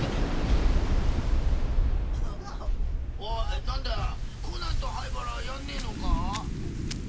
おい何だコナンと灰原はやんねえのか？